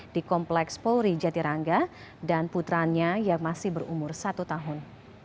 di kompleks polri jatirangga dan putranya yang masih berumur satu tahun